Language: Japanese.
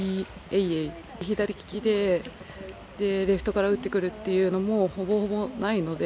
エイエイ、左利きでレフトから売ってくるというのもほぼほぼないので。